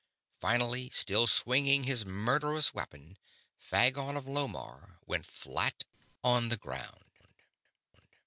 Finally, still swinging his murderous weapon, Phagon of Lomarr went flat on the ground.